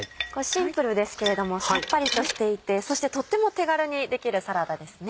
シンプルですけれどもさっぱりとしていてそしてとっても手軽にできるサラダですね。